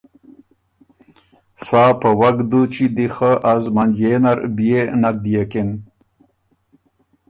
سا په وک دُوچی دی خه از منجيې نر بيې نک دئېکِن۔